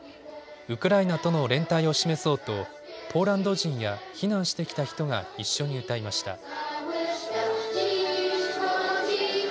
ウクライナとの連帯を示そうとポーランド人や避難してきた人が一緒に歌いました。